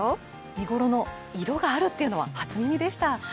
見頃の色があるというのは初耳でした。